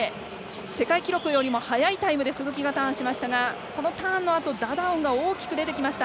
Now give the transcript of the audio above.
世界記録よりも速いタイムで鈴木がターンしましたがこのターンのあと大きく出てきました。